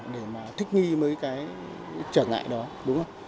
để mà thích nghi với cái trở ngại đó đúng không